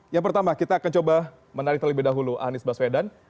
yang pertama kita akan coba menarik terlebih dahulu anies baswedan